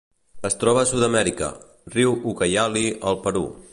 Es troba a Sud-amèrica: riu Ucayali al Perú.